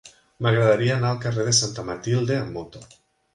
M'agradaria anar al carrer de Santa Matilde amb moto.